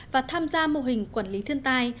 và tham gia mô hình quản lý thiên tai